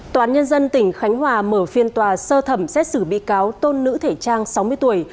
tòa án nhân dân tỉnh khánh hòa mở phiên tòa sơ thẩm xét xử bị cáo tôn nữ thể trang sáu mươi tuổi